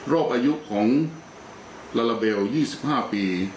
อายุของลาลาเบล๒๕ปี